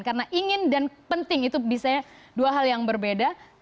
karena ingin dan penting itu bisa dua hal yang berbeda